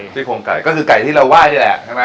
ซิกโครงไก่ก็คือไก่ที่เราไหว้ได้แหละ